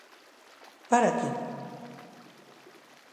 "¿para que?"."